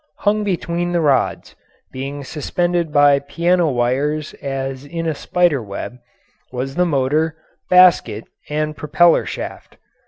Hung between the rods, being suspended by piano wires as in a spider web, was the motor, basket, and propeller shaft.